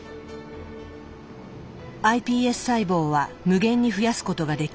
ｉＰＳ細胞は無限に増やすことができる。